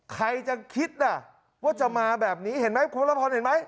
ใครจะคิดน่ะว่าจะมาแบบนี้เห็นไหมคุณละพรเห็นไหม